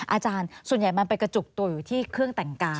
อาจารย์ส่วนใหญ่มันไปกระจุกตัวอยู่ที่เครื่องแต่งกาย